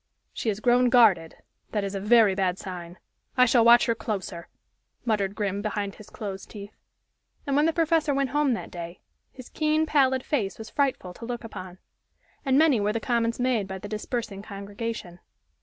"She has grown guarded that is a very bad sign I shall watch her closer," muttered Grim behind his closed teeth. And when the professor went home that day, his keen, pallid face was frightful to look upon. And many were the comments made by the dispersing congregation.